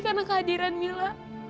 karena kehadiran mila